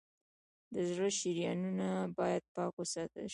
د زړه شریانونه باید پاک وساتل شي.